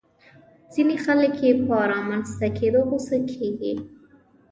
ځينې خلک يې په رامنځته کېدو غوسه کېږي.